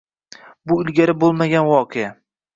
Bu ilgari bo'lmagan voqea